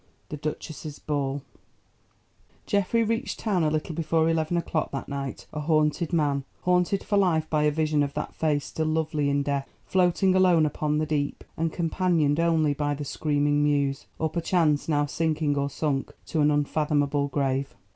THE DUCHESS'S BALL Geoffrey reached Town a little before eleven o'clock that night—a haunted man—haunted for life by a vision of that face still lovely in death, floating alone upon the deep, and companioned only by the screaming mews—or perchance now sinking or sunk to an unfathomable grave.